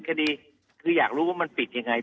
คงอยากรู้มันปิดยังไง